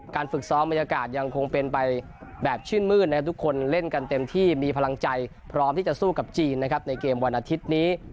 ฝึกซ้อมบรรยากาศยังคงเป็นไปแบบชื่นมืดนะครับทุกคนเล่นกันเต็มที่มีพลังใจพร้อมที่จะสู้กับจีนนะครับในเกมวันอาทิตย์นี้